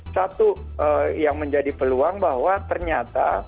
satu yang menjadi peluang bahwa ternyata